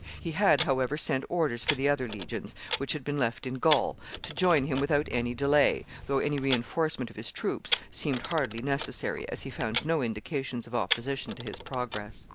He had, however, sent orders for the other legions, which had been left in Gaul, to join him without any delay, though any re enforcement of his troops seemed hardly necessary, as he found no indications of opposition to his progress.